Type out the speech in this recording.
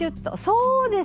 そうです。